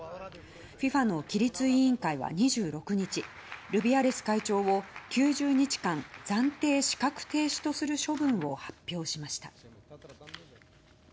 ＦＩＦＡの規律委員会は２６日ルビアレス会長を９０日間暫定資格停止とする処分を発表しました。